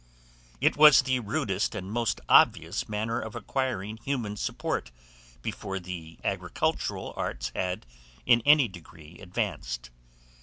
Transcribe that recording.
It was the rudest and the most obvious manner of acquiring human support before the agricultural arts had in any degree advanced.